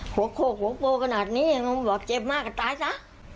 หัวโคกหัวโปขนาดนี้มึงบอกเจ็บมากก็ตายซะ